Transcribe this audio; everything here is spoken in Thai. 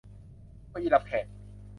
เก้าอี้รับแขก